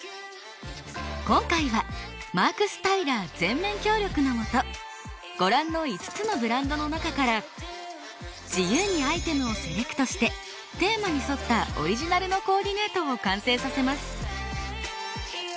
今回はＭＡＲＫＳＴＹＬＥＲ全面協力のもとご覧の５つのブランドの中から自由にアイテムをセレクトしてテーマに沿ったオリジナルのコーディネートを完成させます。